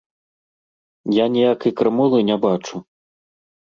Я ніякай крамолы не бачу.